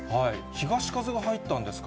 東風が入ったんですか？